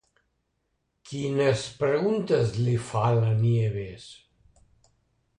Quines preguntes li fa la Nieves?